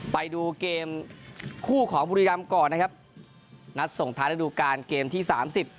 ไปดูเกมคู่ของบุรีรำก่อนนะครับนัดส่งท้ายระดูการเกมที่สามสิบ